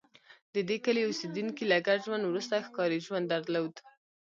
د دې کلي اوسېدونکي له ګډ ژوند وروسته ښکاري ژوند درلود